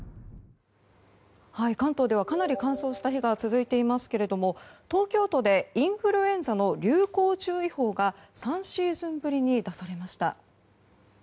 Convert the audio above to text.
関東ではかなり乾燥した日が続いていますが東京都でインフルエンザの流行注意報が３シーズンぶりに出されました。